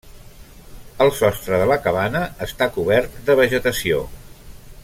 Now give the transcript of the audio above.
El sostre de la cabana està cobert de vegetació.